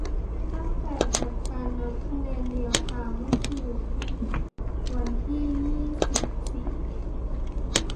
ตั้งแต่ผลการนับคะแนนเรียลไทม์ เมื่อคืนวันที่ ยี่สิบสี่